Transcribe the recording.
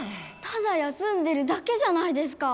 ただ休んでるだけじゃないですか！